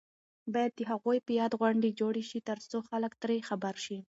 باید د هغوی په یاد غونډې جوړې شي ترڅو خلک ترې خبر شي.